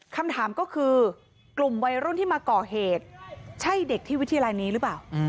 คำถามก็คือกลุ่มวัยรุ่นที่มาก่อเหตุใช่เด็กที่วิทยาลัยนี้หรือเปล่า